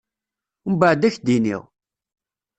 Umbɛed ad k-d-iniƔ.